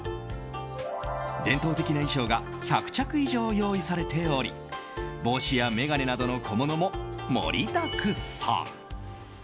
伝統的な衣装が１００着以上用意されており帽子や眼鏡などの小物も盛りだくさん。